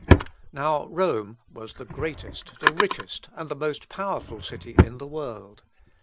Now Rome was the greatest, the richest, and the most powerful city in the world.